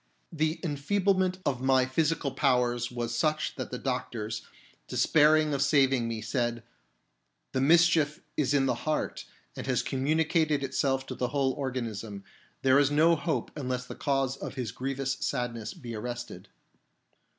The enfeeblement of my physical powers was such that the doctors, despairing of saving me, said, " The mischief is in the heart, and has communicated itself to the whole organism ; there ABANDONS PROFESSORSHIP 45 is no hope unless the cause of his grievous sadness be arrested."